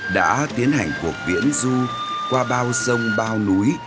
đã tiến hành cuộc viễn du qua bao sông bao núi